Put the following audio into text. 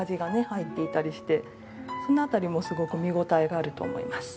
入っていたりしてその辺りもすごく見応えがあると思います。